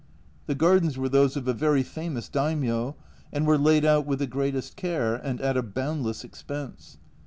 The gardens were those of a very famous Daimio, and were laid out with the greatest care and at a boundless expense.